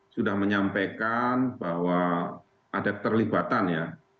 sudah menyampaikan bahwa ada terlibatannya